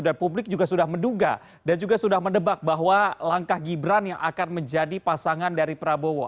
dan publik juga sudah menduga dan juga sudah mendebak bahwa langkah gibran yang akan menjadi pasangan dari prabowo